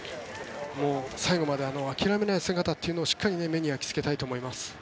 最後まで諦めない姿というのをしっかり目に焼きつけたいと思います。